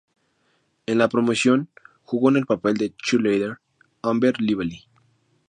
En la promoción jugó en el papel de "Cheerleader" Amber Lively.